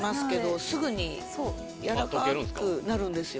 はいすぐにやわらかくなるんですよ